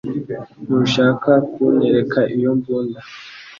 Ntushaka kunyereka iyo mbunda